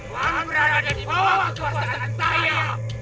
tuhan berada di bawah kekuasaan saya